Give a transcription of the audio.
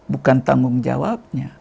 bukan tanggung jawabnya